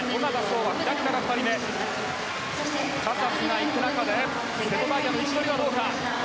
カサスが行く中で瀬戸大也の位置取りはどうか。